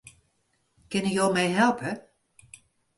Kinne jo my helpe?